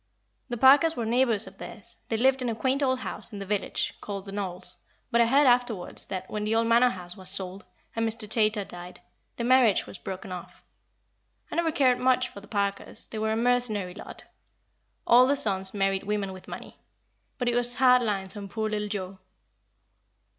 The Parkers were neighbours of theirs; they lived in a quaint old house in the village, called The Knolls, but I heard afterwards that, when the old Manor House was sold, and Mr. Chaytor died, the marriage was broken off. I never cared much for the Parkers; they were a mercenary lot. All the sons married women with money. But it was hard lines on poor little Joa."